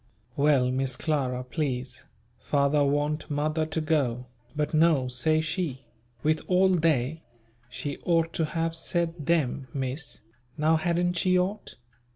Well, Miss Clara please, father want mother to go; but no, say she, "with all they" she ought to have said "them" Miss, now hadn't she ought?